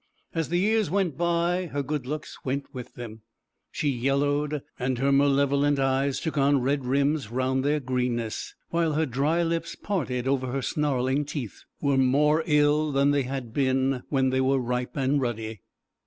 As the years went by her good looks went with them. She yellowed, and her malevolent eyes took on red rims round their greenness; while her dry lips, parted over her snarling teeth, were more ill than they had been when they were ripe and ruddy.